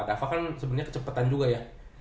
dava kan sebenernya kecepetan juga ya